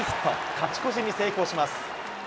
勝ち越しに成功します。